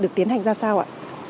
được tiến hành ra sao ạ